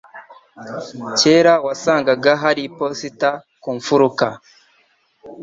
Kera wasangaga hari iposita ku mfuruka.